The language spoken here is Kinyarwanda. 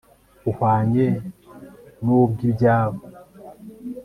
buhwanye n ubw ibyabo